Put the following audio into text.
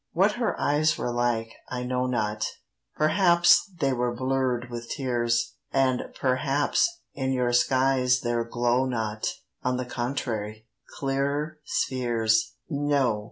What her eyes were like, I know not: Perhaps they were blurr'd with tears; And perhaps in your skies there glow not (On the contrary) clearer spheres. No!